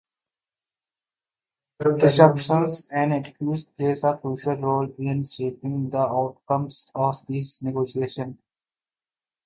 Perceptions and attitudes play a crucial role in shaping the outcomes of these negotiations.